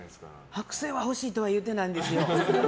剥製は欲しいとは言ってないんですよ。